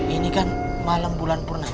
ini kan malam bulan purna